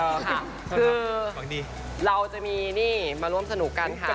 คือเราจะมีนี่มาร่วมสนุกกันค่ะ